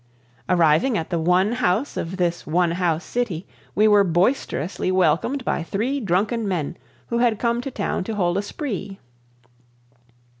Arriving at the one house of this one house city, we were boisterously welcomed by three drunken men who had come to town to hold a spree.